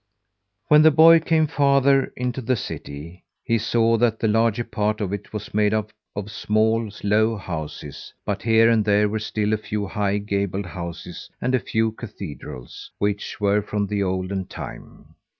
When the boy came farther into the city, he saw that the larger part of it was made up of small, low houses; but here and there were still a few high gabled houses and a few cathedrals, which were from the olden time.